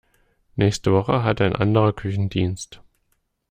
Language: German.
Nächste Woche hat ein anderer Küchendienst.